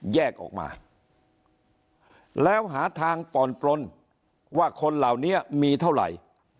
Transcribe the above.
แยกออกมาแล้วหาทางผ่อนปลนว่าคนเหล่านี้มีเท่าไหร่